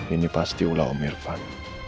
ini pasti ulah om irfan